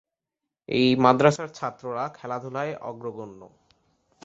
এই মাদ্রাসার ছাত্ররা খেলা-ধুলায় অগ্রগণ্য।